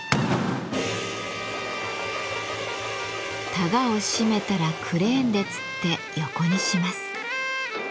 たがを締めたらクレーンでつって横にします。